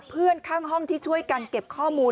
เพื่อนข้างห้องที่ช่วยกันเก็บข้อมูล